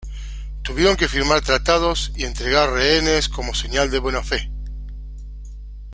Tuvieron que firmar tratados y entregar rehenes como señal de buena fe.